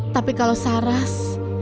tapi kalau saras